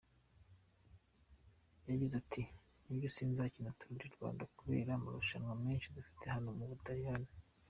Yagize ati “Nibyo, sinzakina Tour du Rwanda kubera amarushanwa menshi dufite hano mu Butaliyani.